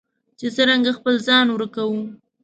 چې څرنګه خپل ځان ورکوو.